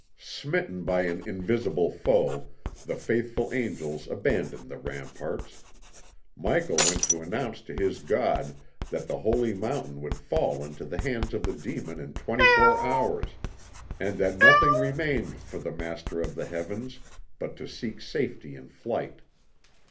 Smitten by an invisible foe, the faithful angels abandoned the ramparts. Michael went to announce to his God that the Holy Mountain would fall into the hands of the demon in twenty four hours, and that nothing remained for the Master of the Heavens but to seek safety in flight.